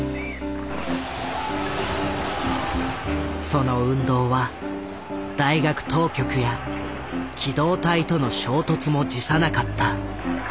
その運動は大学当局や機動隊との衝突も辞さなかった。